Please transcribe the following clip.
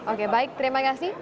oke baik terima kasih